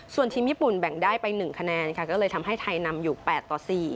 ส่วนทีมญี่ปุ่นแบ่งได้ไป๑คะแนนค่ะก็เลยทำให้ไทยนำอยู่๘ต่อ๔